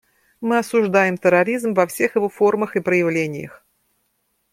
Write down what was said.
Мы осуждаем терроризм во всех его формах и проявлениях.